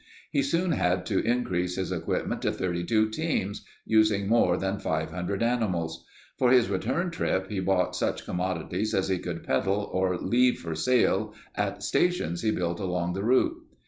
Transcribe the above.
He soon had to increase his equipment to 32 teams, using more than 500 animals. For his return trip he bought such commodities as he could peddle or leave for sale at stations he built along the route.